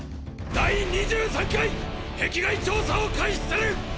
第２３回壁外調査を開始する！！